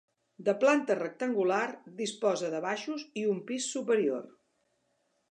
De planta rectangular, disposa de baixos i un pis superior.